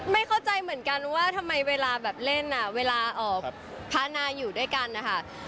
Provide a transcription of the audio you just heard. ไม่เข้าใจเหมือนกันว่าทำไมเวลาเล่นพระนาอยู่ด้วยกันนะคะ